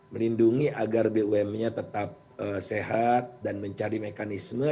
melindungi agar bumnnya tetap sehat dan mencari mekanisme